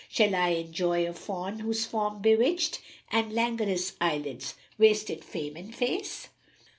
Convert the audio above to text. Shall I enjoy a fawn whose form bewitched * And langourous eyelids wasted frame and face?'"